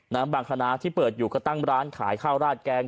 บางคณะที่เปิดอยู่ก็ตั้งร้านขายข้าวราดแกง